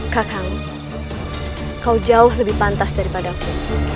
kakang kau jauh lebih pantas daripadaku